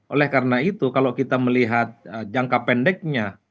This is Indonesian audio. oleh karena itu kalau kita melihat jangka pendeknya